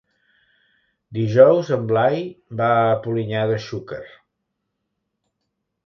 Dijous en Blai va a Polinyà de Xúquer.